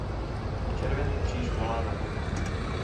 Červený kříž volá na poplach.